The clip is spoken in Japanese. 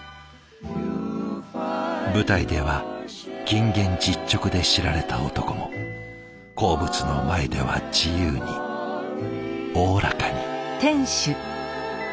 舞台では謹厳実直で知られた男も好物の前では自由におおらかに。